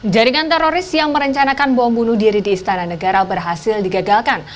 jaringan teroris yang merencanakan bom bunuh diri di istana negara berhasil digagalkan